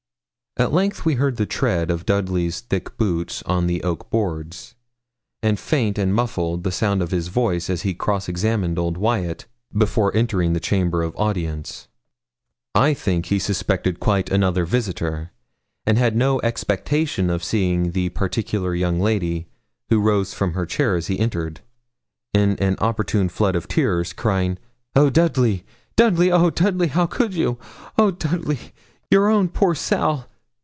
At length we heard the tread of Dudley's thick boots on the oak boards, and faint and muffled the sound of his voice as he cross examined old Wyat before entering the chamber of audience. I think he suspected quite another visitor, and had no expectation of seeing the particular young lady, who rose from her chair as he entered, in an opportune flood of tears, crying 'Oh, Dudley, Dudley! oh, Dudley, could you? Oh, Dudley, your own poor Sal!